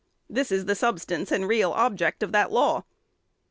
This is the substance and real object of the law.